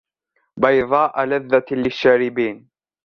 بَيْضَاءَ لَذَّةٍ لِلشَّارِبِينَ